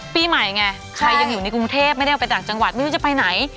ปีใหม่ไงใครยังอยู่ในกรุงเทพไม่ได้ออกไปต่างจังหวัดไม่รู้จะไปไหน